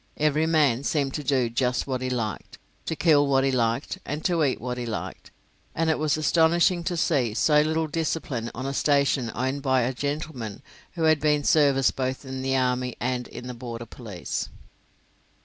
Every man seemed to do just what he liked, to kill what he liked, and to eat what he liked, and it was astonishing to see so little discipline on a station owned by a gentleman who had seen service both in the army and in the border police.